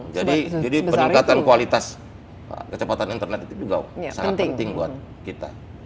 jadi peningkatan kualitas kecepatan internet itu juga sangat penting buat kita